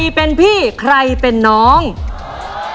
แล้ววันนี้ผมมีสิ่งหนึ่งนะครับเป็นตัวแทนกำลังใจจากผมเล็กน้อยครับ